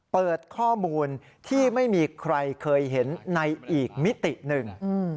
เปิดข้อมูลที่ไม่มีใครเคยเห็นในอีกมิติหนึ่ง